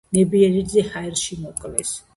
ნებიერიძე ჰაერში მოკლეს.